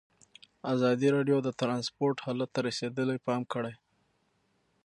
ازادي راډیو د ترانسپورټ حالت ته رسېدلي پام کړی.